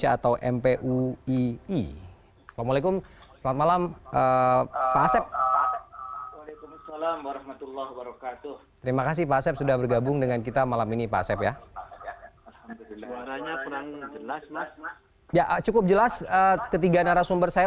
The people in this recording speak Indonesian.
ya cukup jelas ketiga narasumber saya